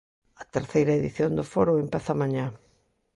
A terceira edición do Foro empeza mañá.